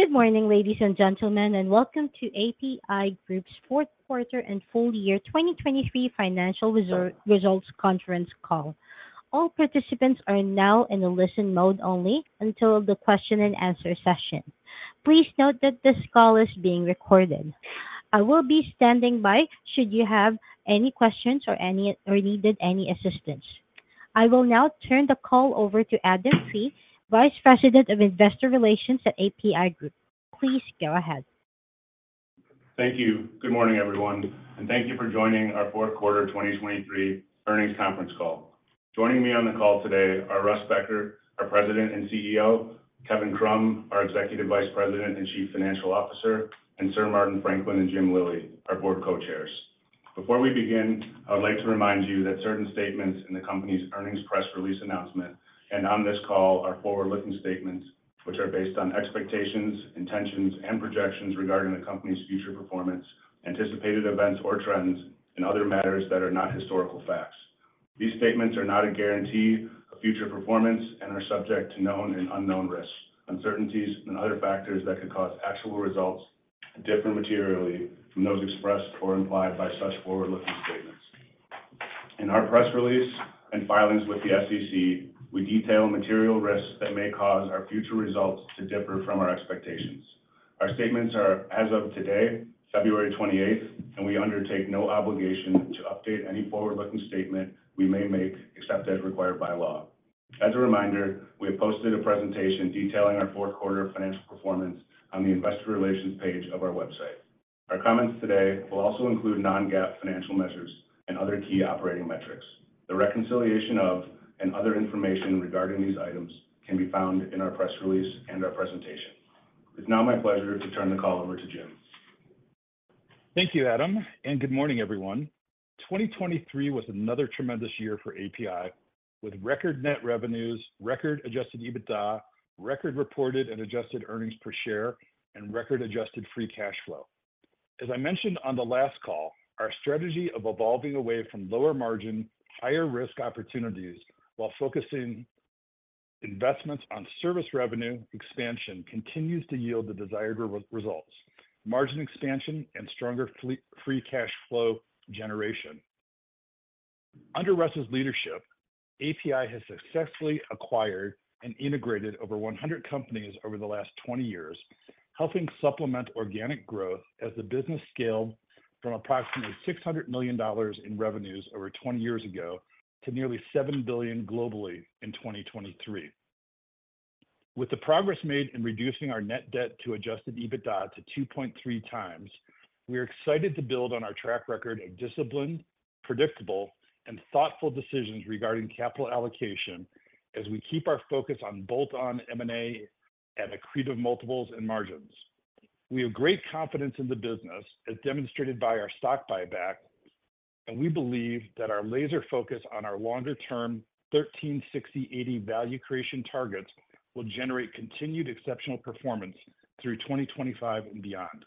Good morning, ladies and gentlemen, and welcome to APi Group's Q4 and full-year 2023 financial results conference call. All participants are now in a listen mode only until the question-and-answer session. Please note that this call is being recorded. I will be standing by should you have any questions or needed any assistance. I will now turn the call over to Adam Fee, Vice President of Investor Relations at APi Group. Please go ahead. Thank you. Good morning, everyone, and thank you for joining our Q4 2023 earnings conference call. Joining me on the call today are Russ Becker, our President and CEO, Kevin Krumm, our Executive Vice President and Chief Financial Officer, and Sir Martin Franklin and Jim Lillie, our Board Co-Chairs. Before we begin, I would like to remind you that certain statements in the company's earnings press release announcement and on this call are forward-looking statements, which are based on expectations, intentions, and projections regarding the company's future performance, anticipated events or trends, and other matters that are not historical facts. These statements are not a guarantee of future performance and are subject to known and unknown risks, uncertainties, and other factors that could cause actual results to differ materially from those expressed or implied by such forward-looking statements. In our press release and filings with the SEC, we detail material risks that may cause our future results to differ from our expectations. Our statements are as of today, February 28th, and we undertake no obligation to update any forward-looking statement we may make except as required by law. As a reminder, we have posted a presentation detailing our Q4 financial performance on the Investor Relations page of our website. Our comments today will also include non-GAAP financial measures and other key operating metrics. The reconciliation of and other information regarding these items can be found in our press release and our presentation. It's now my pleasure to turn the call over to Jim. Thank you, Adam, and good morning, everyone. 2023 was another tremendous year for APi, with record net revenues, record adjusted EBITDA, record reported and adjusted earnings per share, and record adjusted free cash flow. As I mentioned on the last call, our strategy of evolving away from lower margin, higher risk opportunities while focusing investments on service revenue expansion continues to yield the desired results: margin expansion and stronger free cash flow generation. Under Russ's leadership, APi has successfully acquired and integrated over 100 companies over the last 20 years, helping supplement organic growth as the business scaled from approximately $600 million in revenues over 20 years ago to nearly $7 billion globally in 2023. With the progress made in reducing our net debt to adjusted EBITDA to 2.3x, we are excited to build on our track record of disciplined, predictable, and thoughtful decisions regarding capital allocation as we keep our focus on bolt-on M&A at accretive multiples and margins. We have great confidence in the business, as demonstrated by our stock buyback, and we believe that our laser focus on our longer-term 13/60/80 value creation targets will generate continued exceptional performance through 2025 and beyond.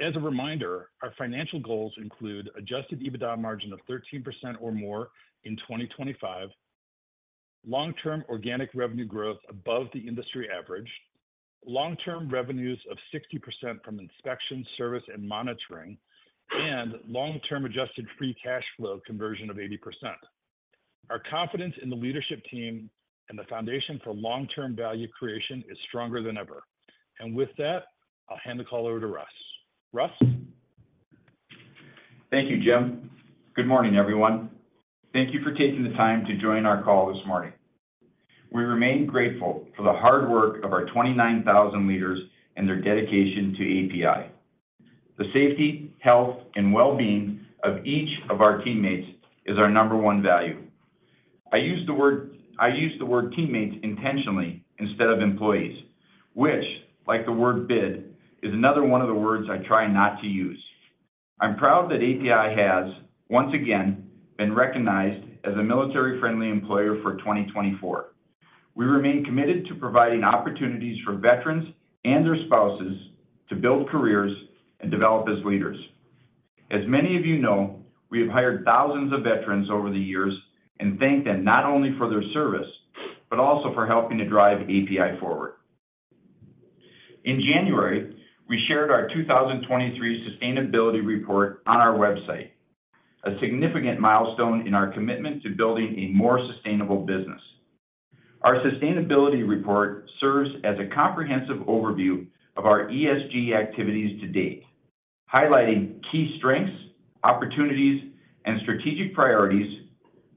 As a reminder, our financial goals include adjusted EBITDA margin of 13% or more in 2025, long-term organic revenue growth above the industry average, long-term revenues of 60% from inspection, service, and monitoring, and long-term adjusted free cash flow conversion of 80%. Our confidence in the leadership team and the foundation for long-term value creation is stronger than ever. With that, I'll hand the call over to Russ. Russ? Thank you, Jim. Good morning, everyone. Thank you for taking the time to join our call this morning. We remain grateful for the hard work of our 29,000 leaders and their dedication to APi. The safety, health, and well-being of each of our teammates is our number one value. I use the word teammates intentionally instead of employees, which, like the word bid, is another one of the words I try not to use. I'm proud that APi has, once again, been recognized as a military-friendly employer for 2024. We remain committed to providing opportunities for veterans and their spouses to build careers and develop as leaders. As many of you know, we have hired thousands of veterans over the years and thank them not only for their service but also for helping to drive APi forward. In January, we shared our 2023 sustainability report on our website, a significant milestone in our commitment to building a more sustainable business. Our sustainability report serves as a comprehensive overview of our ESG activities to date, highlighting key strengths, opportunities, and strategic priorities,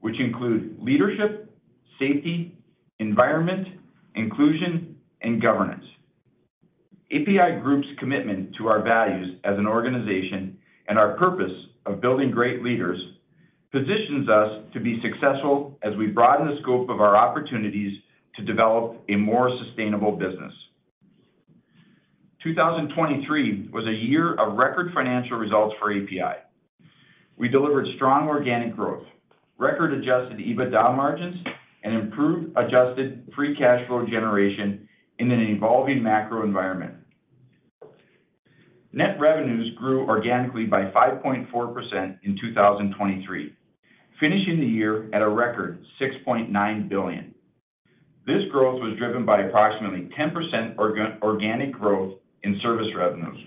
which include leadership, safety, environment, inclusion, and governance. APi Group's commitment to our values as an organization and our purpose of building great leaders positions us to be successful as we broaden the scope of our opportunities to develop a more sustainable business. 2023 was a year of record financial results for APi. We delivered strong organic growth, record Adjusted EBITDA margins, and improved Adjusted Free Cash Flow generation in an evolving macro environment. Net revenues grew organically by 5.4% in 2023, finishing the year at a record $6.9 billion. This growth was driven by approximately 10% organic growth in service revenues,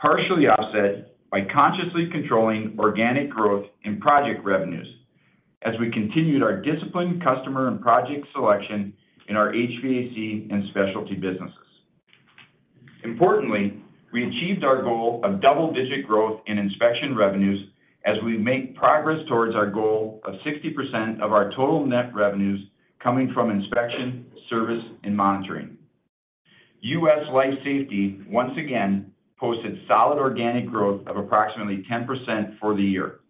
partially offset by consciously controlling organic growth in project revenues as we continued our disciplined customer and project selection in our HVAC and specialty businesses. Importantly, we achieved our goal of double-digit growth in inspection revenues as we make progress towards our goal of 60% of our total net revenues coming from inspection, service, and monitoring. US Life Safety, once again, posted solid organic growth of approximately 10% for the year,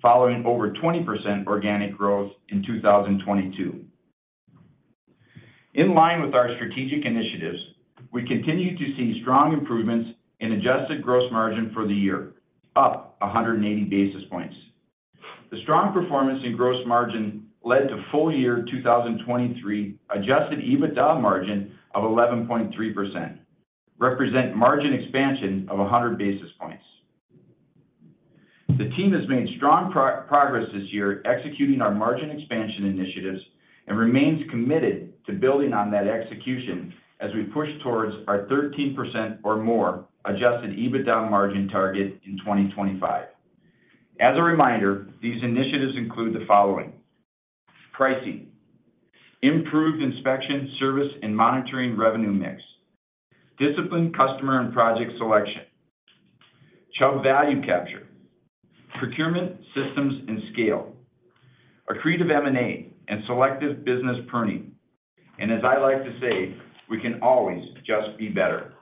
following over 20% organic growth in 2022. In line with our strategic initiatives, we continue to see strong improvements in adjusted gross margin for the year, up 180 basis points. The strong performance in gross margin led to full-year 2023 adjusted EBITDA margin of 11.3%, representing margin expansion of 100 basis points. The team has made strong progress this year executing our margin expansion initiatives and remains committed to building on that execution as we push towards our 13% or more Adjusted EBITDA margin target in 2025. As a reminder, these initiatives include the following: pricing; improved inspection, service, and monitoring revenue mix; disciplined customer and project selection; Chubb value capture; procurement systems and scale; accretive M&A and selective business pruning. As I like to say, we can always just be better.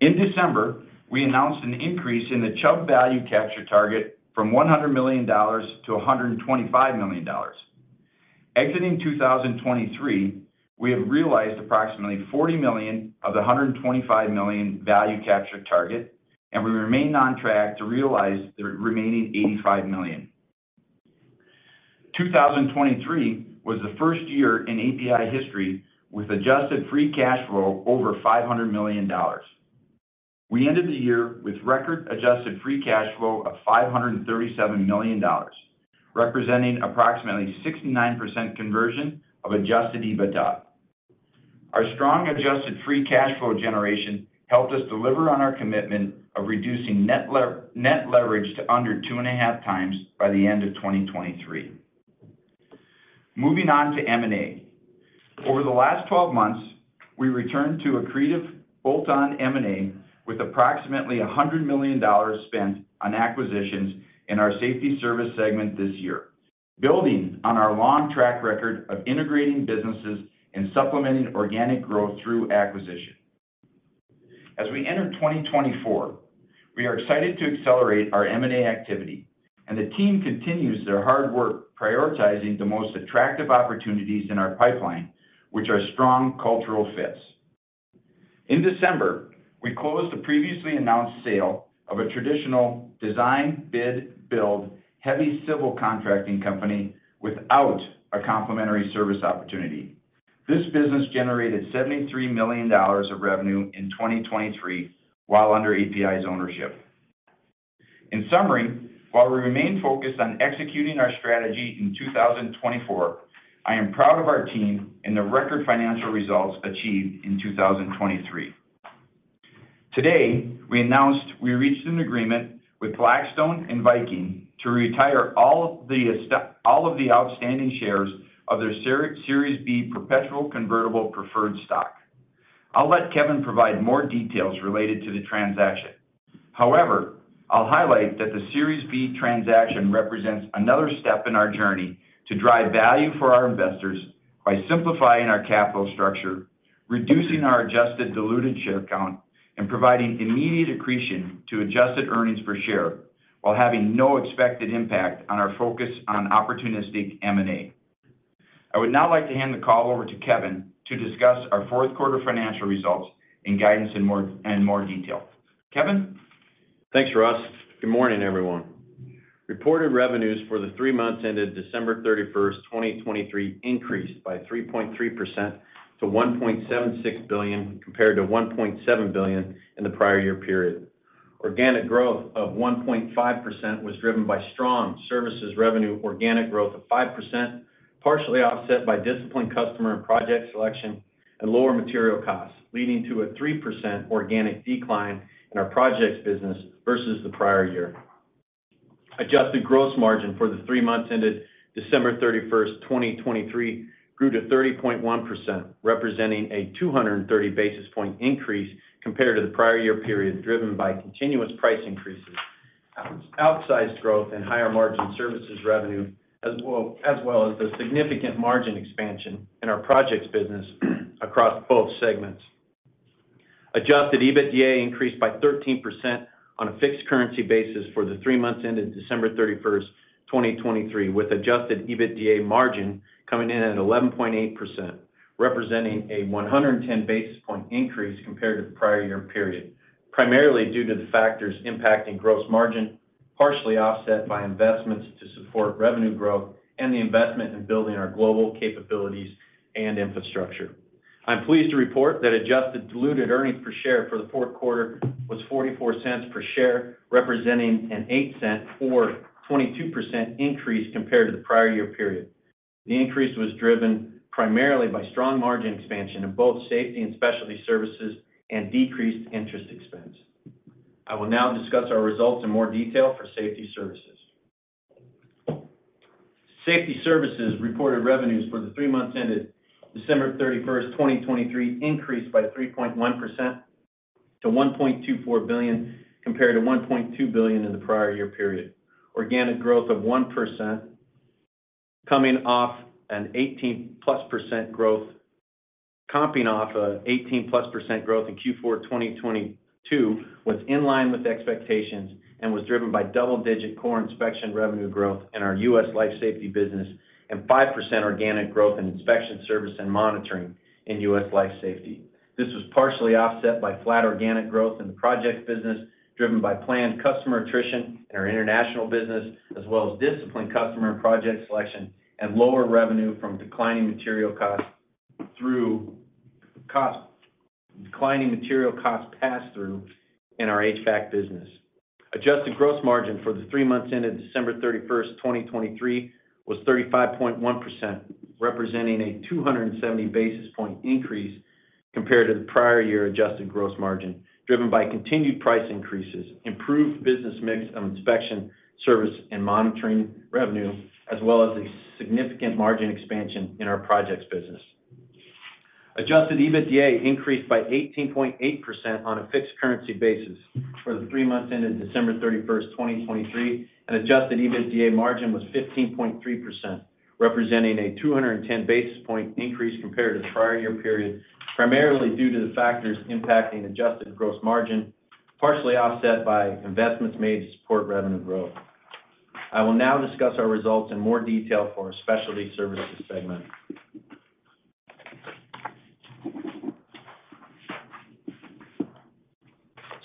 In December, we announced an increase in the Chubb value capture target from $100 million-$125 million. Exiting 2023, we have realized approximately $40 million of the $125 million value capture target, and we remain on track to realize the remaining $85 million. 2023 was the first year in APi history with adjusted free cash flow over $500 million. We ended the year with record Adjusted Free Cash Flow of $537 million, representing approximately 69% conversion of Adjusted EBITDA. Our strong Adjusted Free Cash Flow generation helped us deliver on our commitment of reducing net leverage to under 2.5x by the end of 2023. Moving on to M&A. Over the last 12 months, we returned to accretive bolt-on M&A with approximately $100 million spent on acquisitions in our safety service segment this year, building on our long track record of integrating businesses and supplementing organic growth through acquisition. As we enter 2024, we are excited to accelerate our M&A activity, and the team continues their hard work prioritizing the most attractive opportunities in our pipeline, which are strong cultural fits. In December, we closed the previously announced sale of a traditional design-bid-build heavy civil contracting company without a complementary service opportunity. This business generated $73 million of revenue in 2023 while under APi's ownership. In summary, while we remain focused on executing our strategy in 2024, I am proud of our team and the record financial results achieved in 2023. Today, we announced we reached an agreement with Blackstone and Viking to retire all of the outstanding shares of their Series B perpetual convertible preferred stock. I'll let Kevin provide more details related to the transaction. However, I'll highlight that the Series B transaction represents another step in our journey to drive value for our investors by simplifying our capital structure, reducing our adjusted diluted share count, and providing immediate accretion to adjusted earnings per share while having no expected impact on our focus on opportunistic M&A. I would now like to hand the call over to Kevin to discuss our Q4 financial results and guidance in more detail. Kevin? Thanks, Russ. Good morning, everyone. Reported revenues for the three months ended December 31st, 2023, increased by 3.3% to $1.76 billion compared to $1.7 billion in the prior year period. Organic growth of 1.5% was driven by strong services revenue organic growth of 5%, partially offset by disciplined customer and project selection and lower material costs, leading to a 3% organic decline in our projects business versus the prior year. Adjusted gross margin for the three months ended December 31st, 2023, grew to 30.1%, representing a 230 basis point increase compared to the prior year period, driven by continuous price increases, outsized growth, and higher margin services revenue, as well as the significant margin expansion in our projects business across both segments. Adjusted EBITDA increased by 13% on a fixed currency basis for the three months ended December 31st, 2023, with adjusted EBITDA margin coming in at 11.8%, representing a 110 basis point increase compared to the prior year period, primarily due to the factors impacting gross margin, partially offset by investments to support revenue growth and the investment in building our global capabilities and infrastructure. I'm pleased to report that adjusted diluted earnings per share for the Q4 was $0.44 per share, representing a $0.08 or 22% increase compared to the prior year period. The increase was driven primarily by strong margin expansion in both safety and specialty services and decreased interest expense. I will now discuss our results in more detail for safety services. Safety services reported revenues for the three months ended December 31st, 2023, increased by 3.1% to $1.24 billion compared to $1.2 billion in the prior year period. Organic growth of 1%, coming off an 18%+ growth, coming off an 18%+ growth in Q4 2022, was in line with expectations and was driven by double-digit core inspection revenue growth in our US Life Safety business and 5% organic growth in inspection service and monitoring in US Life Safety. This was partially offset by flat organic growth in the projects business, driven by planned customer attrition in our international business, as well as disciplined customer and project selection and lower revenue from declining material costs through declining material costs pass-through in our HVAC business. Adjusted gross margin for the three months ended December 31st, 2023, was 35.1%, representing a 270 basis points increase compared to the prior year Adjusted gross margin, driven by continued price increases, improved business mix of inspection, service, and monitoring revenue, as well as a significant margin expansion in our projects business. Adjusted EBITDA increased by 18.8% on a fixed currency basis for the three months ended December 31st, 2023, and Adjusted EBITDA margin was 15.3%, representing a 210 basis points increase compared to the prior year period, primarily due to the factors impacting Adjusted gross margin, partially offset by investments made to support revenue growth. I will now discuss our results in more detail for our specialty services segment.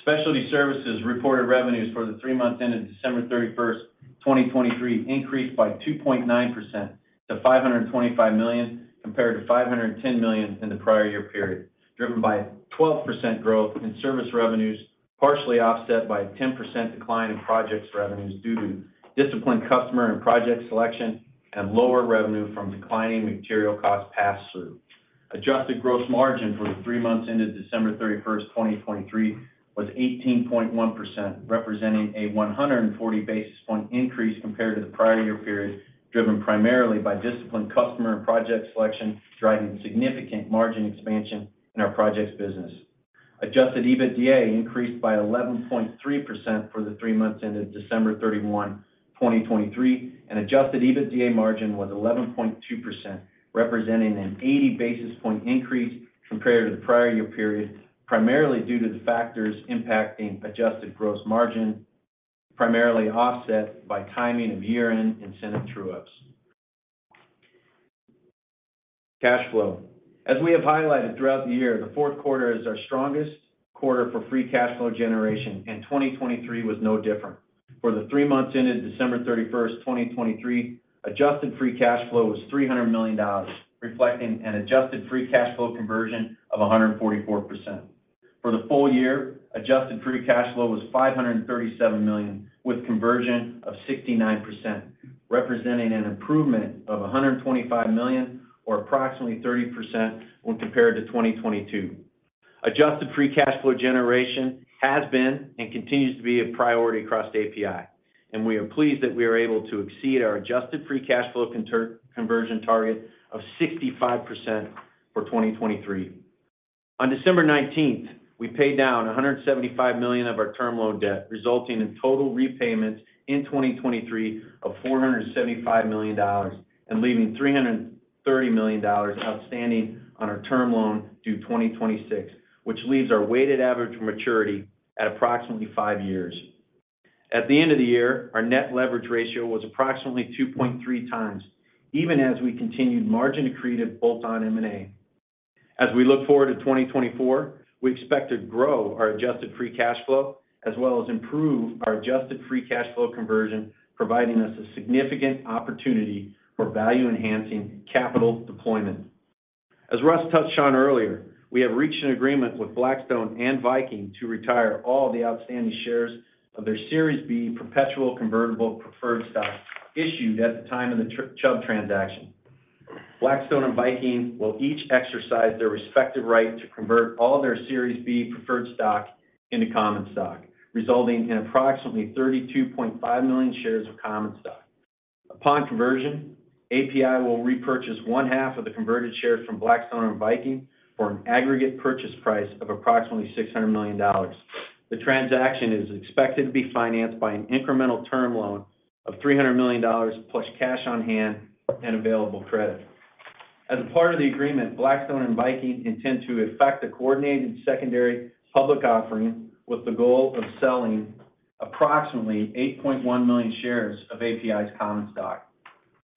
Specialty services reported revenues for the three months ended December 31st, 2023, increased by 2.9% to $525 million compared to $510 million in the prior year period, driven by 12% growth in service revenues, partially offset by a 10% decline in projects revenues due to disciplined customer and project selection and lower revenue from declining material costs pass-through. Adjusted gross margin for the three months ended December 31st, 2023, was 18.1%, representing a 140 basis point increase compared to the prior year period, driven primarily by disciplined customer and project selection, driving significant margin expansion in our projects business. Adjusted EBITDA increased by 11.3% for the three months ended December 31st, 2023, and adjusted EBITDA margin was 11.2%, representing an 80 basis point increase compared to the prior year period, primarily due to the factors impacting adjusted gross margin, primarily offset by timing of year-end incentive true-ups. Cash flow. As we have highlighted throughout the year, the Q4 is our strongest quarter for free cash flow generation, and 2023 was no different. For the three months ended December 31st, 2023, adjusted free cash flow was $300 million, reflecting an adjusted free cash flow conversion of 144%. For the full year, adjusted free cash flow was $537 million with conversion of 69%, representing an improvement of $125 million or approximately 30% when compared to 2022. Adjusted free cash flow generation has been and continues to be a priority across APi, and we are pleased that we are able to exceed our adjusted free cash flow conversion target of 65% for 2023. On December 19th, we paid down $175 million of our term loan debt, resulting in total repayments in 2023 of $475 million and leaving $330 million outstanding on our term loan due 2026, which leaves our weighted average maturity at approximately five years. At the end of the year, our net leverage ratio was approximately 2.3x, even as we continued margin accretive bolt-on M&A. As we look forward to 2024, we expect to grow our adjusted free cash flow as well as improve our adjusted free cash flow conversion, providing us a significant opportunity for value-enhancing capital deployment. As Russ touched on earlier, we have reached an agreement with Blackstone and Viking to retire all the outstanding shares of their Series B perpetual convertible preferred stock issued at the time of the Chubb transaction. Blackstone and Viking will each exercise their respective right to convert all their Series B preferred stock into common stock, resulting in approximately 32.5 million shares of common stock. Upon conversion, APi will repurchase one half of the converted shares from Blackstone and Viking for an aggregate purchase price of approximately $600 million. The transaction is expected to be financed by an incremental term loan of $300 million plus cash on hand and available credit. As a part of the agreement, Blackstone and Viking intend to effect a coordinated secondary public offering with the goal of selling approximately 8.1 million shares of APi's common stock.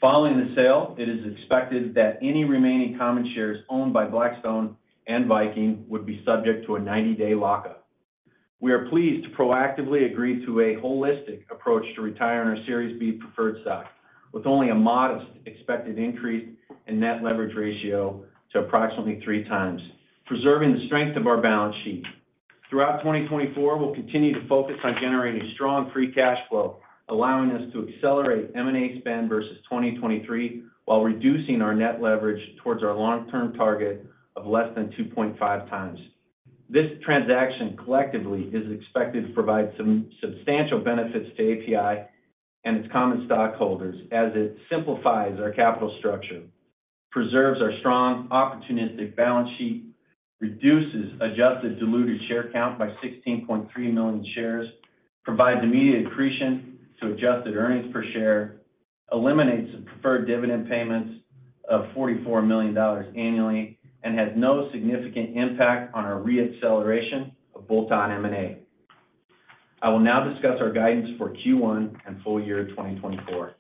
Following the sale, it is expected that any remaining common shares owned by Blackstone and Viking would be subject to a 90-day lock-up. We are pleased to proactively agree to a holistic approach to retiring our Series B preferred stock with only a modest expected increase in net leverage ratio to approximately three times, preserving the strength of our balance sheet. Throughout 2024, we'll continue to focus on generating strong free cash flow, allowing us to accelerate M&A spend versus 2023 while reducing our net leverage towards our long-term target of less than 2.5x. This transaction collectively is expected to provide substantial benefits to APi and its common stockholders as it simplifies our capital structure, preserves our strong opportunistic balance sheet, reduces adjusted diluted share count by 16.3 million shares, provides immediate accretion to adjusted earnings per share, eliminates the preferred dividend payments of $44 million annually, and has no significant impact on our reacceleration of bolt-on M&A. I will now discuss our guidance for Q1 and full year 2024.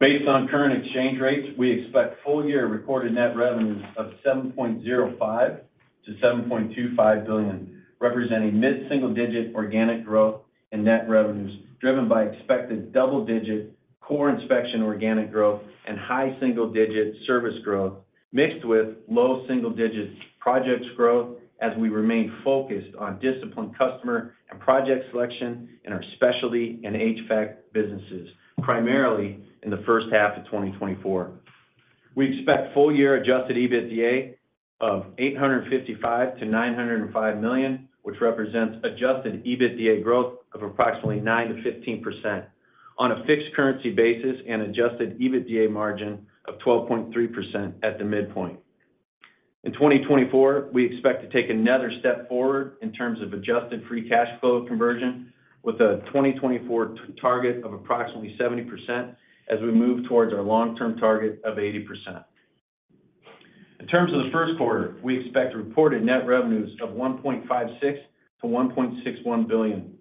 Based on current exchange rates, we expect full year recorded net revenues of $7.05-$7.25 billion, representing mid-single digit organic growth in net revenues driven by expected double-digit core inspection organic growth and high single-digit service growth mixed with low single-digit projects growth as we remain focused on disciplined customer and project selection in our specialty and HVAC businesses, primarily in the H1 of 2024. We expect full year Adjusted EBITDA of $855-$905 million, which represents Adjusted EBITDA growth of approximately 9%-15% on a fixed currency basis and Adjusted EBITDA margin of 12.3% at the midpoint. In 2024, we expect to take another step forward in terms of Adjusted Free Cash Flow Conversion with a 2024 target of approximately 70% as we move towards our long-term target of 80%. In terms of the Q1, we expect reported net revenues of $1.56-$1.61 billion.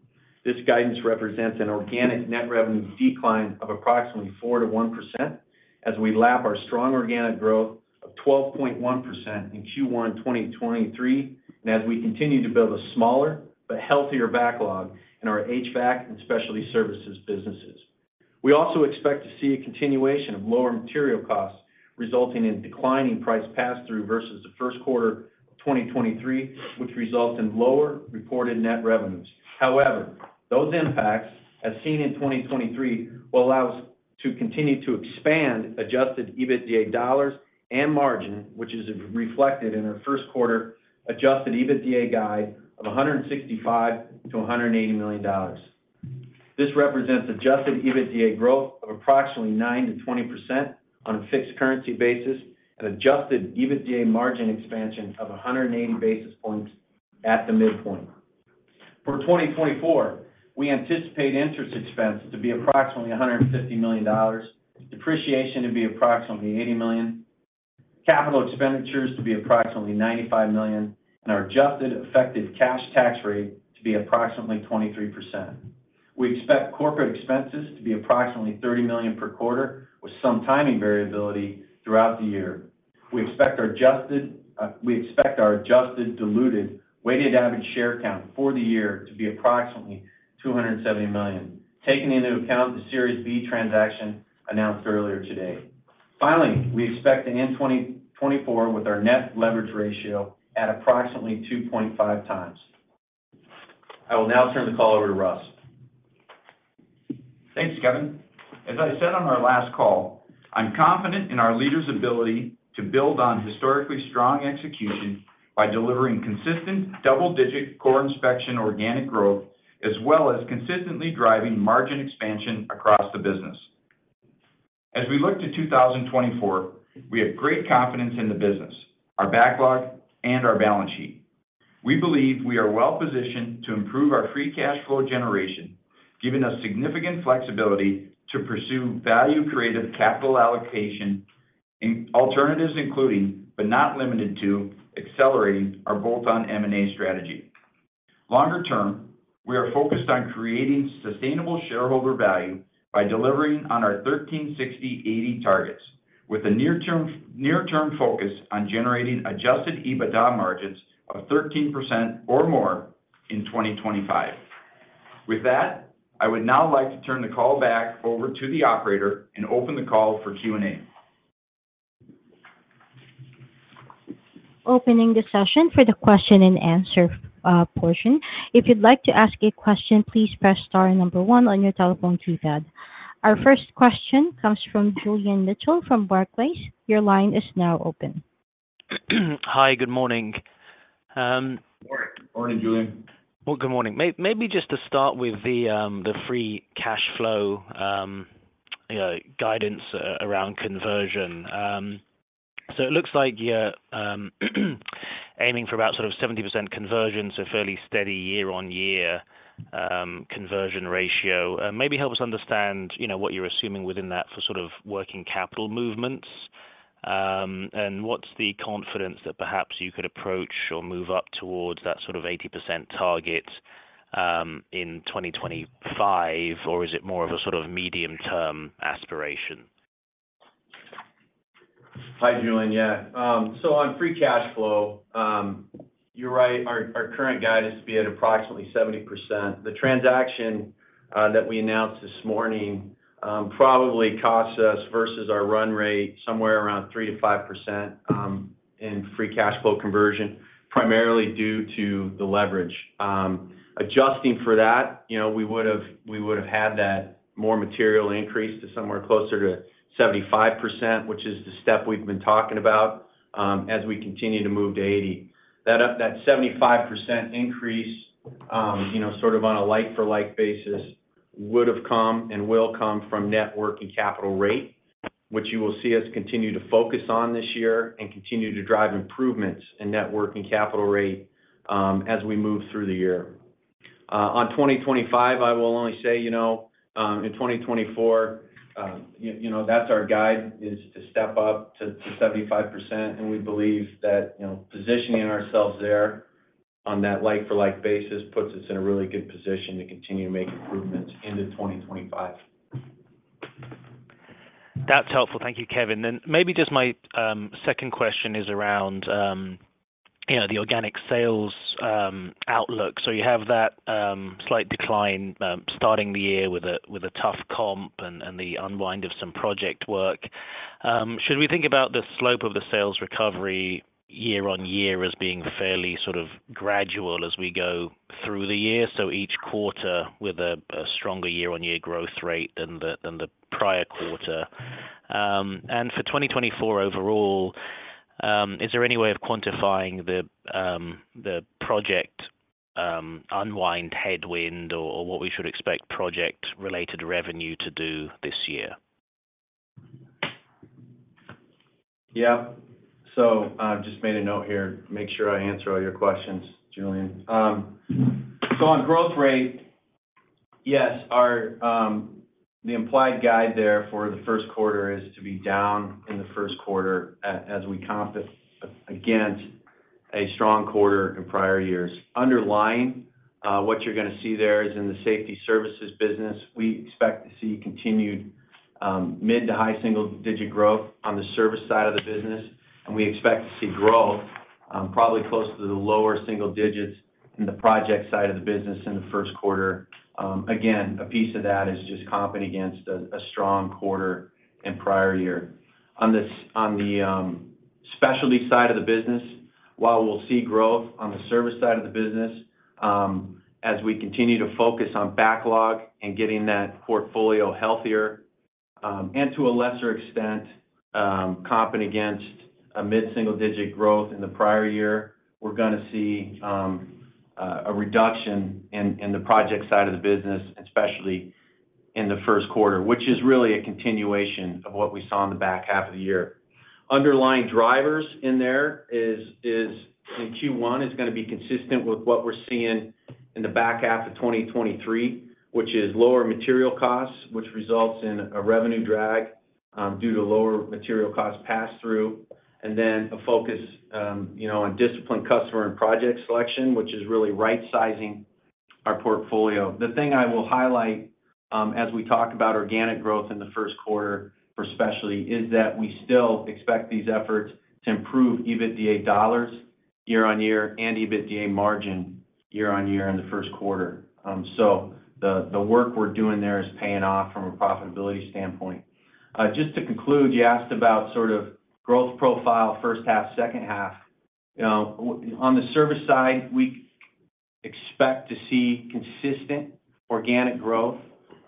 This guidance represents an organic net revenue decline of approximately 4%-1% as we lap our strong organic growth of 12.1% in Q1 2023 and as we continue to build a smaller but healthier backlog in our HVAC and specialty services businesses. We also expect to see a continuation of lower material costs resulting in declining price pass-through versus the Q1 of 2023, which results in lower reported net revenues. However, those impacts, as seen in 2023, will allow us to continue to expand Adjusted EBITDA dollars and margin, which is reflected in our Q1 Adjusted EBITDA guide of $165-$180 million. This represents adjusted EBITDA growth of approximately 9%-20% on a fixed currency basis and adjusted EBITDA margin expansion of 180 basis points at the midpoint. For 2024, we anticipate interest expense to be approximately $150 million, depreciation to be approximately $80 million, capital expenditures to be approximately $95 million, and our adjusted effective cash tax rate to be approximately 23%. We expect corporate expenses to be approximately $30 million per quarter with some timing variability throughout the year. We expect our adjusted diluted weighted average share count for the year to be approximately 270 million, taking into account the Series B transaction announced earlier today. Finally, we expect to end 2024 with our net leverage ratio at approximately 2.5x. I will now turn the call over to Russ. Thanks, Kevin. As I said on our last call, I'm confident in our leaders' ability to build on historically strong execution by delivering consistent double-digit core inspection organic growth as well as consistently driving margin expansion across the business. As we look to 2024, we have great confidence in the business, our backlog, and our balance sheet. We believe we are well positioned to improve our free cash flow generation, giving us significant flexibility to pursue value-creative capital allocation alternatives including but not limited to accelerating our bolt-on M&A strategy. Longer term, we are focused on creating sustainable shareholder value by delivering on our 1360/80 targets with a near-term focus on generating Adjusted EBITDA margins of 13% or more in 2025. With that, I would now like to turn the call back over to the operator and open the call for Q&A. Opening the session for the question and answer portion. If you'd like to ask a question, please press star number one on your telephone keypad. Our first question comes from Julian Mitchell from Barclays. Your line is now open. Hi. Good morning. Morning. Good morning, Julian. Well, good morning. Maybe just to start with the free cash flow guidance around conversion. So it looks like you're aiming for about sort of 70% conversion, so fairly steady year-on-year conversion ratio. Maybe help us understand what you're assuming within that for sort of working capital movements and what's the confidence that perhaps you could approach or move up towards that sort of 80% target in 2025, or is it more of a sort of medium-term aspiration? Hi, Julian. Yeah. So on free cash flow, you're right. Our current guide is to be at approximately 70%. The transaction that we announced this morning probably costs us versus our run rate somewhere around 3%-5% in free cash flow conversion, primarily due to the leverage. Adjusting for that, we would have had that more material increase to somewhere closer to 75%, which is the step we've been talking about as we continue to move to 80%. That 75% increase sort of on a like-for-like basis would have come and will come from net working capital rate, which you will see us continue to focus on this year and continue to drive improvements in net working capital rate as we move through the year. On 2025, I will only say in 2024, that's our guide is to step up to 75%, and we believe that positioning ourselves there on that like-for-like basis puts us in a really good position to continue to make improvements into 2025. That's helpful. Thank you, Kevin. Then maybe just my second question is around the organic sales outlook. So you have that slight decline starting the year with a tough comp and the unwind of some project work. Should we think about the slope of the sales recovery year-on-year as being fairly sort of gradual as we go through the year, so each quarter with a stronger year-on-year growth rate than the prior quarter? And for 2024 overall, is there any way of quantifying the project unwind headwind or what we should expect project-related revenue to do this year? Yep. So I've just made a note here. Make sure I answer all your questions, Julian. So on growth rate, yes, the implied guide there for the Q1 is to be down in the Q1 as we comp against a strong quarter in prior years. Underlying what you're going to see there is in the safety services business, we expect to see continued mid- to high single-digit growth on the service side of the business, and we expect to see growth probably close to the lower single digits in the project side of the business in the Q1. Again, a piece of that is just comping against a strong quarter in prior year. On the specialty side of the business, while we'll see growth on the service side of the business, as we continue to focus on backlog and getting that portfolio healthier and to a lesser extent comping against a mid-single-digit growth in the prior year, we're going to see a reduction in the project side of the business, especially in the Q1, which is really a continuation of what we saw in the back half of the year. Underlying drivers in there in Q1 is going to be consistent with what we're seeing in the back half of 2023, which is lower material costs, which results in a revenue drag due to lower material cost pass-through, and then a focus on disciplined customer and project selection, which is really right-sizing our portfolio. The thing I will highlight as we talk about organic growth in the Q1 for specialty is that we still expect these efforts to improve EBITDA dollars year-on-year and EBITDA margin year-on-year in the Q1. So the work we're doing there is paying off from a profitability standpoint. Just to conclude, you asked about sort of growth profile H1, H2. On the service side, we expect to see consistent organic growth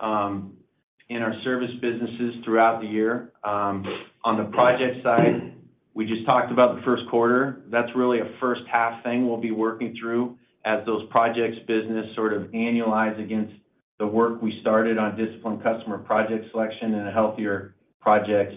in our service businesses throughout the year. On the project side, we just talked about the Q1. That's really a H1 thing we'll be working through as those projects business sort of annualize against the work we started on disciplined customer project selection and a healthier projects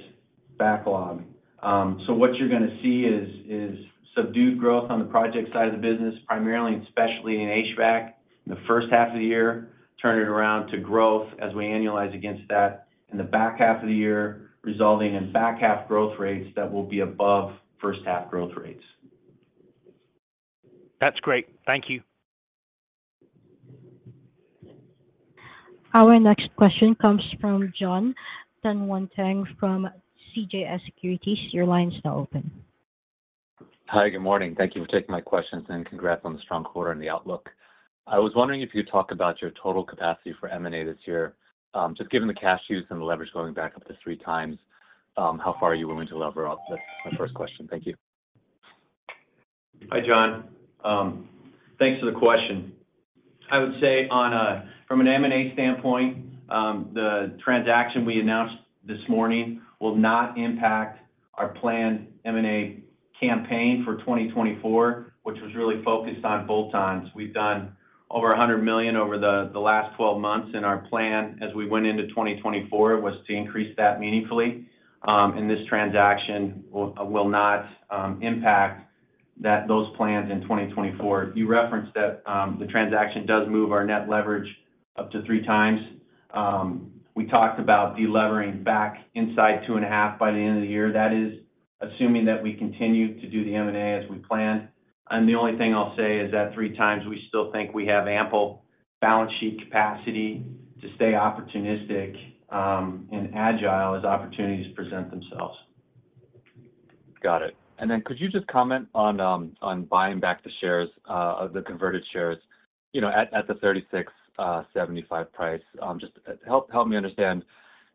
backlog. What you're going to see is subdued growth on the project side of the business, primarily and especially in HVAC in the H1 of the year, turn it around to growth as we annualize against that in the back half of the year, resulting in back-half growth rates that will be above first-half growth rates. That's great. Thank you. Our next question comes from Jon Tanwanteng from CJS Securities. Your line is now open. Hi. Good morning. Thank you for taking my questions and congrats on the strong quarter and the outlook. I was wondering if you could talk about your total capacity for M&A this year. Just given the cash use and the leverage going back up to three times, how far are you willing to lever up? That's my first question. Thank you. Hi, Jon. Thanks for the question. I would say from an M&A standpoint, the transaction we announced this morning will not impact our planned M&A campaign for 2024, which was really focused on bolt-ons. We've done over $100 million over the last 12 months, and our plan as we went into 2024 was to increase that meaningfully. This transaction will not impact those plans in 2024. You referenced that the transaction does move our net leverage up to 3x. We talked about delevering back inside 2.5x by the end of the year. That is assuming that we continue to do the M&A as we planned. The only thing I'll say is that 3x, we still think we have ample balance sheet capacity to stay opportunistic and agile as opportunities present themselves. Got it. And then could you just comment on buying back the shares, the converted shares at the $36.75 price? Just help me understand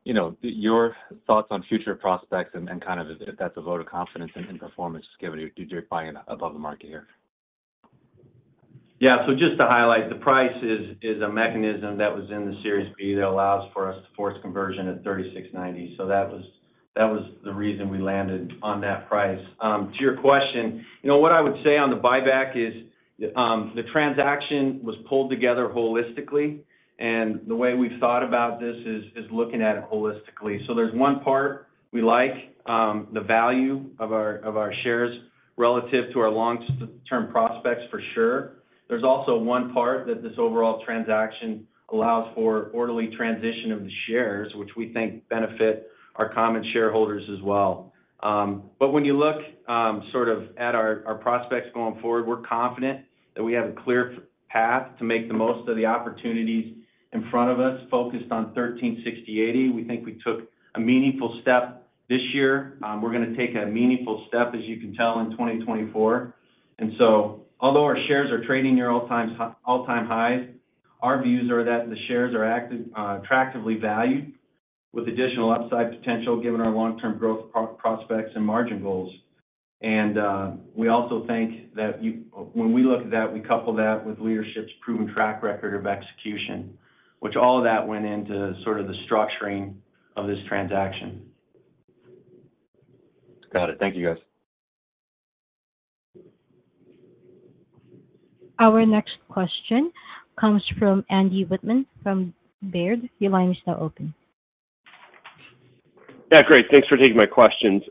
your thoughts on future prospects and kind of if that's a vote of confidence in performance, just given your buying above the market here. Yeah. So just to highlight, the price is a mechanism that was in the Series B that allows for us to force conversion at $36.90. So that was the reason we landed on that price. To your question, what I would say on the buyback is the transaction was pulled together holistically, and the way we've thought about this is looking at it holistically. So there's one part we like, the value of our shares relative to our long-term prospects, for sure. There's also one part that this overall transaction allows for orderly transition of the shares, which we think benefit our common shareholders as well. But when you look sort of at our prospects going forward, we're confident that we have a clear path to make the most of the opportunities in front of us focused on 1360/80. We think we took a meaningful step this year. We're going to take a meaningful step, as you can tell, in 2024. And so although our shares are trading near all-time highs, our views are that the shares are attractively valued with additional upside potential given our long-term growth prospects and margin goals. And we also think that when we look at that, we couple that with leadership's proven track record of execution, which all of that went into sort of the structuring of this transaction. Got it. Thank you, guys. Our next question comes from Andy Wittmann from Baird. Your line is now open. Yeah. Great. Thanks for taking my questions.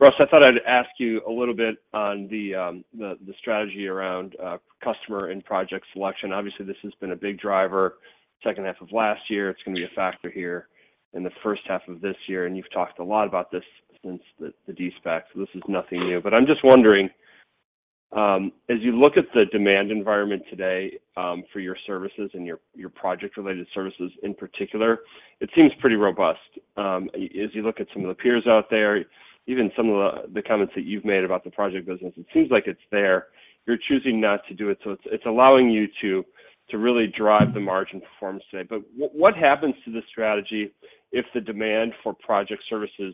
Russ, I thought I'd ask you a little bit on the strategy around customer and project selection. Obviously, this has been a big driver H2 of last year. It's going to be a factor here in the H1 of this year. And you've talked a lot about this since the de-SPAC. So this is nothing new. But I'm just wondering, as you look at the demand environment today for your services and your project-related services in particular, it seems pretty robust. As you look at some of the peers out there, even some of the comments that you've made about the project business, it seems like it's there. You're choosing not to do it. So it's allowing you to really drive the margin performance today. But what happens to the strategy if the demand for project services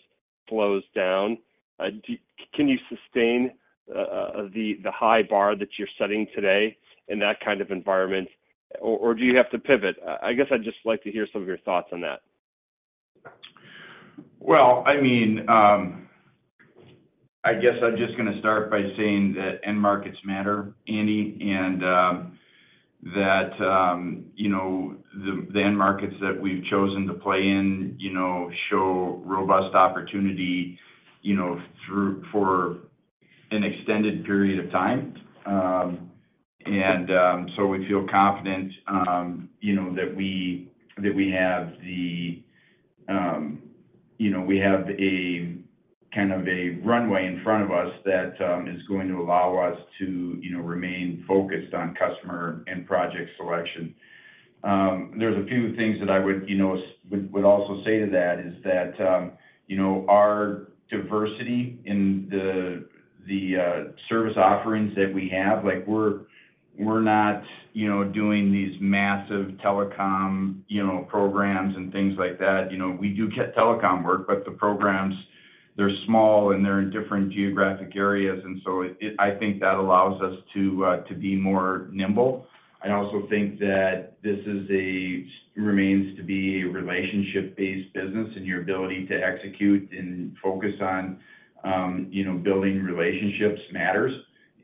slows down? Can you sustain the high bar that you're setting today in that kind of environment, or do you have to pivot? I guess I'd just like to hear some of your thoughts on that. Well, I mean, I guess I'm just going to start by saying that end markets matter, Andy, and that the end markets that we've chosen to play in show robust opportunity for an extended period of time. And so we feel confident that we have kind of a runway in front of us that is going to allow us to remain focused on customer and project selection. There's a few things that I would also say to that is that our diversity in the service offerings that we have, we're not doing these massive telecom programs and things like that. We do get telecom work, but the programs, they're small, and they're in different geographic areas. And so I think that allows us to be more nimble. I also think that this remains to be a relationship-based business, and your ability to execute and focus on building relationships matters.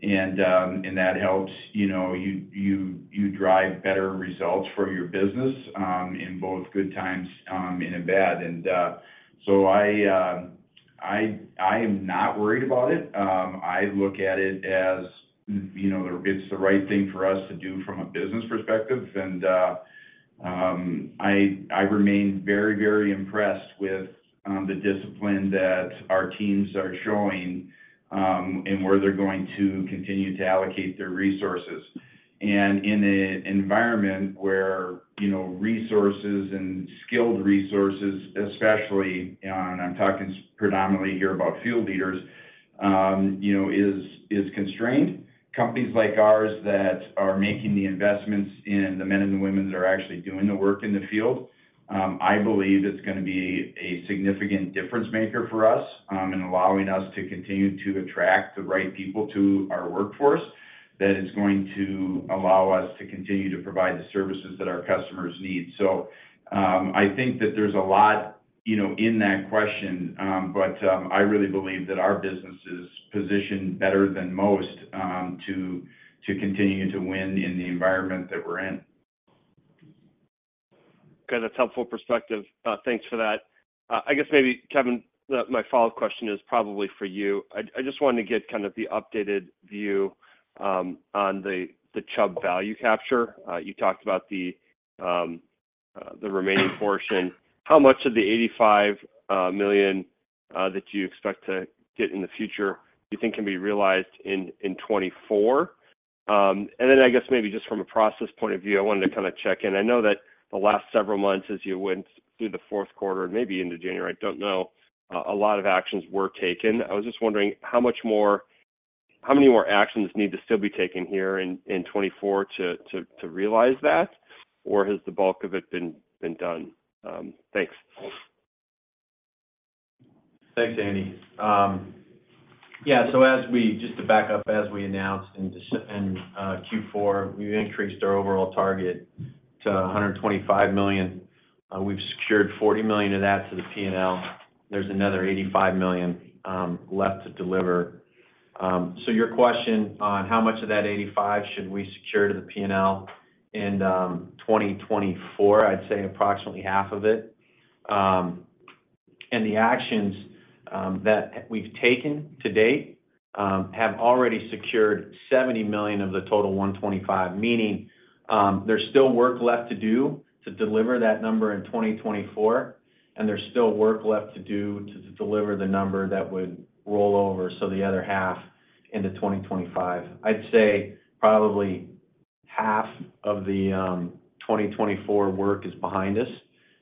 And that helps. You drive better results for your business in both good times and in bad. And so I am not worried about it. I look at it as it's the right thing for us to do from a business perspective. And I remain very, very impressed with the discipline that our teams are showing and where they're going to continue to allocate their resources. In an environment where resources and skilled resources, especially, and I'm talking predominantly here about field leaders, is constrained, companies like ours that are making the investments in the men and the women that are actually doing the work in the field, I believe it's going to be a significant difference maker for us in allowing us to continue to attract the right people to our workforce that is going to allow us to continue to provide the services that our customers need. I think that there's a lot in that question, but I really believe that our business is positioned better than most to continue to win in the environment that we're in. Good. That's helpful perspective. Thanks for that. I guess maybe, Kevin, my follow-up question is probably for you. I just wanted to get kind of the updated view on the Chubb value capture. You talked about the remaining portion. How much of the $85 million that you expect to get in the future do you think can be realized in 2024? And then I guess maybe just from a process point of view, I wanted to kind of check in. I know that the last several months, as you went through the Q4 and maybe into January, I don't know, a lot of actions were taken. I was just wondering how many more actions need to still be taken here in 2024 to realize that, or has the bulk of it been done? Thanks. Thanks, Andy. Yeah. So just to back up, as we announced in Q4, we've increased our overall target to $125 million. We've secured $40 million of that to the P&L. There's another $85 million left to deliver. So your question on how much of that $85 million should we secure to the P&L in 2024, I'd say approximately half of it. And the actions that we've taken to date have already secured $70 million of the total $125 million, meaning there's still work left to do to deliver that number in 2024, and there's still work left to do to deliver the number that would roll over, so the other half, into 2025. I'd say probably half of the 2024 work is behind us.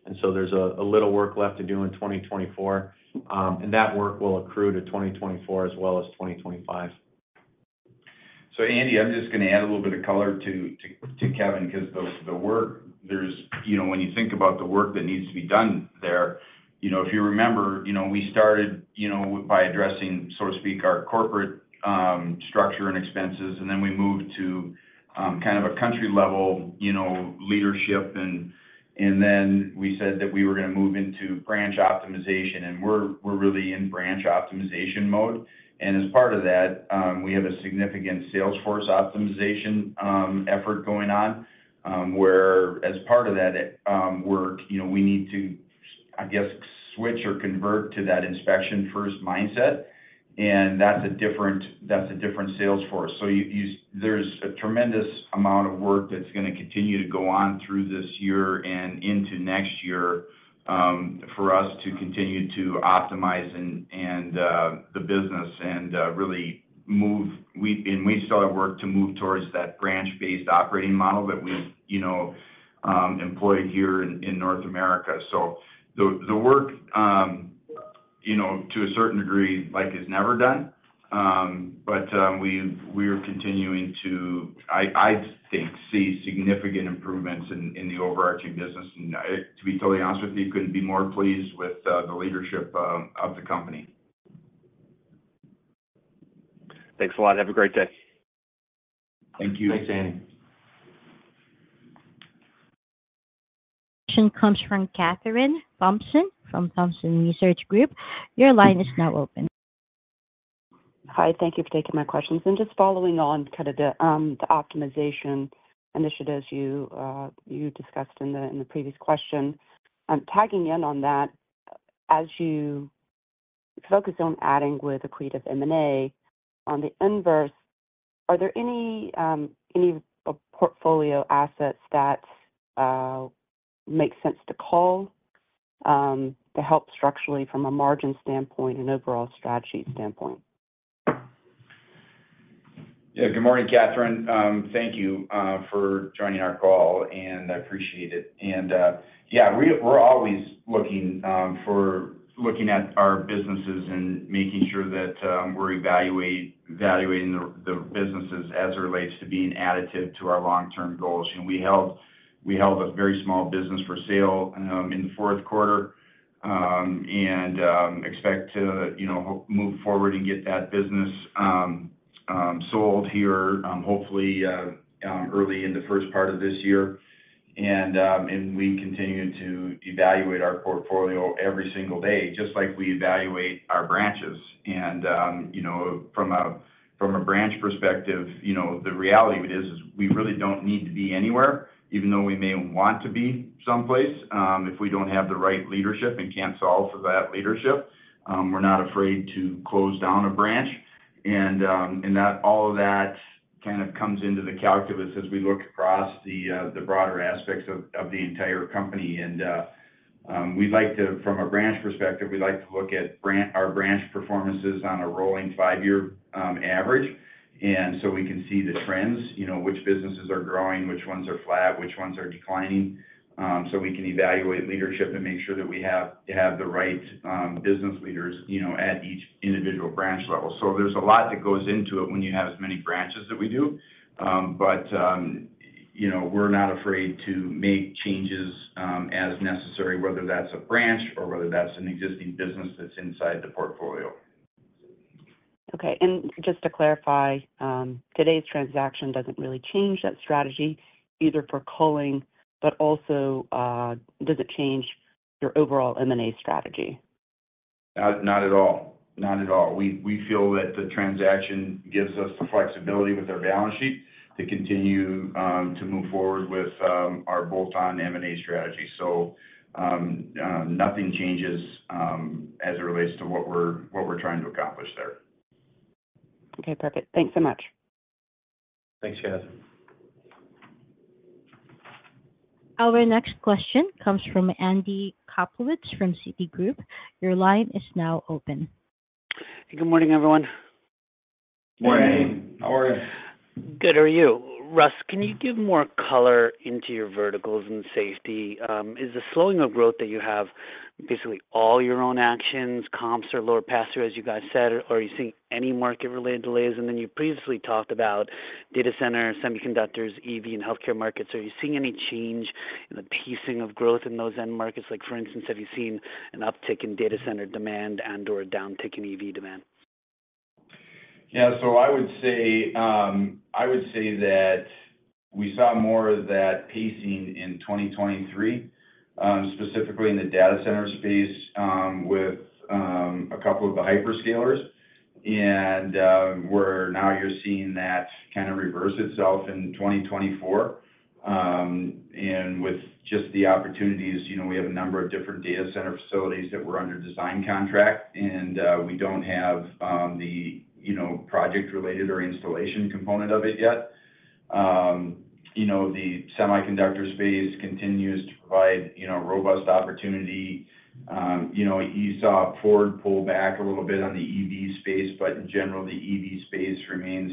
And so there's a little work left to do in 2024. And that work will accrue to 2024 as well as 2025. So, Andy, I'm just going to add a little bit of color to Kevin because the work, when you think about the work that needs to be done there, if you remember, we started by addressing, so to speak, our corporate structure and expenses, and then we moved to kind of a country-level leadership. And then we said that we were going to move into branch optimization. And we're really in branch optimization mode. And as part of that, we have a significant sales force optimization effort going on where, as part of that work, we need to, I guess, switch or convert to that inspection-first mindset. And that's a different sales force. So there's a tremendous amount of work that's going to continue to go on through this year and into next year for us to continue to optimize the business and really move and we still have work to move towards that branch-based operating model that we've employed here in North America. So the work, to a certain degree, is never done. But we are continuing to, I think, see significant improvements in the overarching business. And to be totally honest with you, I couldn't be more pleased with the leadership of the company. Thanks a lot. Have a great day. Thank you. Thanks, Andy. Question comes from Kathryn Thompson from Thompson Research Group. Your line is now open. Hi. Thank you for taking my questions. Just following on kind of the optimization initiatives you discussed in the previous question, tagging in on that, as you focus on adding via accretive M&A, on the inverse, are there any portfolio assets that make sense to cull to help structurally from a margin standpoint and overall strategy standpoint? Yeah. Good morning, Kathryn. Thank you for joining our call, and I appreciate it. And yeah, we're always looking at our businesses and making sure that we're evaluating the businesses as it relates to being additive to our long-term goals. We held a very small business for sale in the Q4 and expect to move forward and get that business sold here, hopefully, early in the first part of this year. And we continue to evaluate our portfolio every single day just like we evaluate our branches. And from a branch perspective, the reality of it is is we really don't need to be anywhere, even though we may want to be someplace. If we don't have the right leadership and can't solve for that leadership, we're not afraid to close down a branch. All of that kind of comes into the calculus as we look across the broader aspects of the entire company. From a branch perspective, we like to look at our branch performances on a rolling five-year average so we can see the trends, which businesses are growing, which ones are flat, which ones are declining so we can evaluate leadership and make sure that we have the right business leaders at each individual branch level. There's a lot that goes into it when you have as many branches that we do. We're not afraid to make changes as necessary, whether that's a branch or whether that's an existing business that's inside the portfolio. Okay. Just to clarify, today's transaction doesn't really change that strategy either for Chubb, but also doesn't change your overall M&A strategy? Not at all. Not at all. We feel that the transaction gives us the flexibility with our balance sheet to continue to move forward with our Bolt-on M&A strategy. So nothing changes as it relates to what we're trying to accomplish there. Okay. Perfect. Thanks so much. Thanks, Kathryn. Our next question comes from Andy Kaplowitz from Citigroup. Your line is now open. Hey. Good morning, everyone. Morning. How are you? Good. How are you? Russ, can you give more color into your verticals and safety? Is the slowing of growth that you have basically all your own actions, comps are lower pass-through, as you guys said, or are you seeing any market-related delays? And then you previously talked about data centers, semiconductors, EV, and healthcare markets. Are you seeing any change in the pacing of growth in those end markets? For instance, have you seen an uptick in data center demand and/or a downtick in EV demand? Yeah. So I would say that we saw more of that pacing in 2023, specifically in the data center space with a couple of the hyperscalers. Now you're seeing that kind of reverse itself in 2024. With just the opportunities, we have a number of different data center facilities that were under design contract, and we don't have the project-related or installation component of it yet. The semiconductor space continues to provide robust opportunity. You saw Ford pull back a little bit on the EV space, but in general, the EV space remains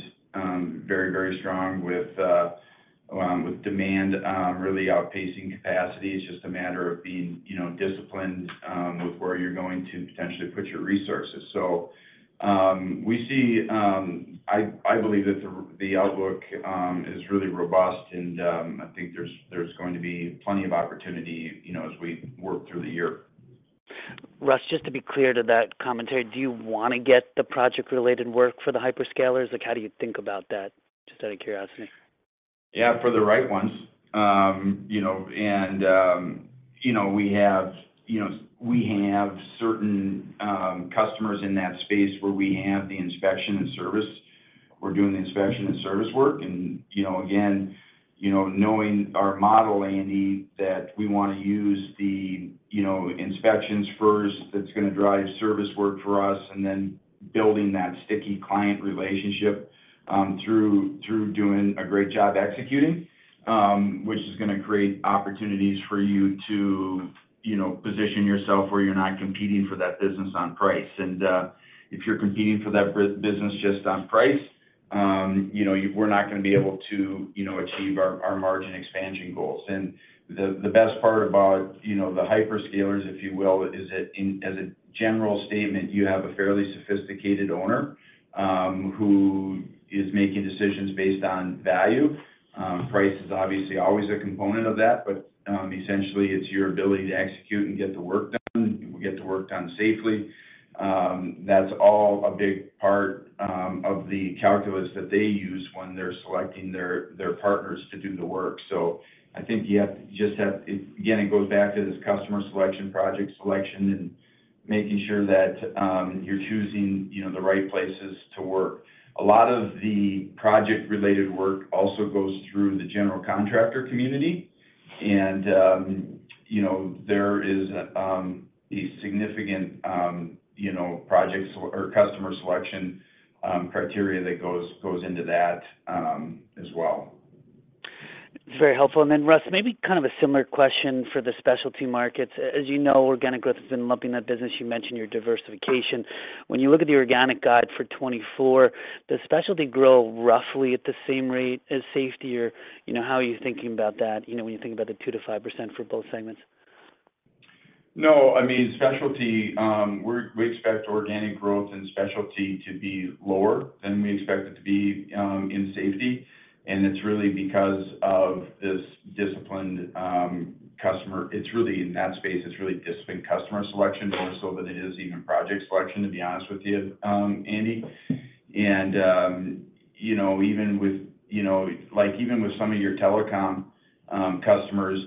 very, very strong with demand really outpacing capacity. It's just a matter of being disciplined with where you're going to potentially put your resources. I believe that the outlook is really robust, and I think there's going to be plenty of opportunity as we work through the year. Russ, just to be clear to that commentary, do you want to get the project-related work for the hyperscalers? How do you think about that, just out of curiosity? Yeah. For the right ones. And we have certain customers in that space where we have the inspection and service. We're doing the inspection and service work. And again, knowing our model, Andy, that we want to use the inspections first, that's going to drive service work for us, and then building that sticky client relationship through doing a great job executing, which is going to create opportunities for you to position yourself where you're not competing for that business on price. And if you're competing for that business just on price, we're not going to be able to achieve our margin expansion goals. And the best part about the hyperscalers, if you will, is that, as a general statement, you have a fairly sophisticated owner who is making decisions based on value. Price is obviously always a component of that, but essentially, it's your ability to execute and get the work done. We get the work done safely. That's all a big part of the calculus that they use when they're selecting their partners to do the work. So I think you just have again, it goes back to this customer selection, project selection, and making sure that you're choosing the right places to work. A lot of the project-related work also goes through the general contractor community. There is a significant project or customer selection criteria that goes into that as well. Very helpful. And then, Russ, maybe kind of a similar question for the specialty markets. As you know, organic growth has been lumping that business. You mentioned your diversification. When you look at the organic guide for 2024, does specialty grow roughly at the same rate as safety? Or how are you thinking about that when you think about the 2%-5% for both segments? No. I mean, we expect organic growth in specialty to be lower than we expect it to be in safety. And it's really because of this disciplined customer. It's really in that space. It's really disciplined customer selection more so than it is even project selection, to be honest with you, Andy. And even with some of your telecom customers,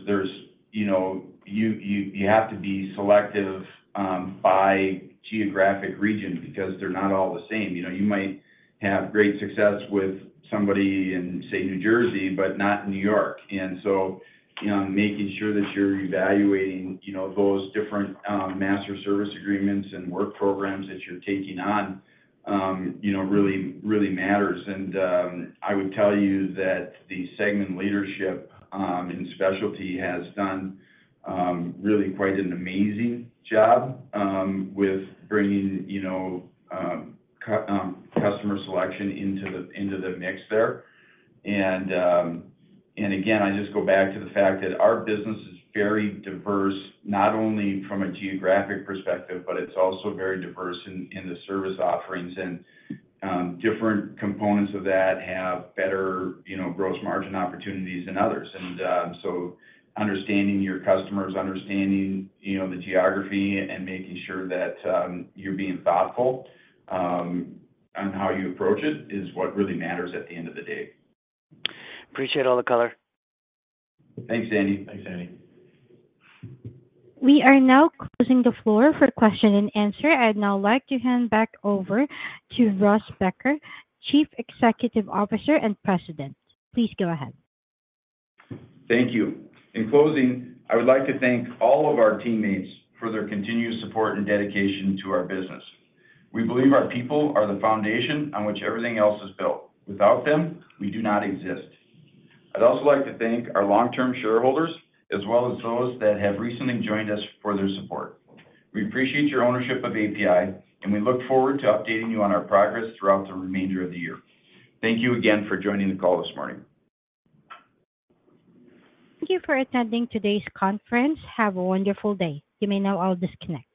you have to be selective by geographic region because they're not all the same. You might have great success with somebody in, say, New Jersey, but not New York. And so making sure that you're evaluating those different master service agreements and work programs that you're taking on really matters. And I would tell you that the segment leadership in specialty has done really quite an amazing job with bringing customer selection into the mix there. Again, I just go back to the fact that our business is very diverse, not only from a geographic perspective, but it's also very diverse in the service offerings. Different components of that have better gross margin opportunities than others. So understanding your customers, understanding the geography, and making sure that you're being thoughtful on how you approach it is what really matters at the end of the day. Appreciate all the color. Thanks, Andy. Thanks, Andy. We are now closing the floor for question and answer. I'd now like to hand back over to Russ Becker, Chief Executive Officer and President. Please go ahead. Thank you. In closing, I would like to thank all of our teammates for their continued support and dedication to our business. We believe our people are the foundation on which everything else is built. Without them, we do not exist. I'd also like to thank our long-term shareholders as well as those that have recently joined us for their support. We appreciate your ownership of APi, and we look forward to updating you on our progress throughout the remainder of the year. Thank you again for joining the call this morning. Thank you for attending today's conference. Have a wonderful day. You may now all disconnect.